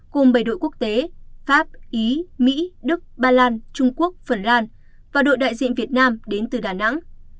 cùng bảy đội quốc tế và đội đại diện việt nam đến từ đà nẵng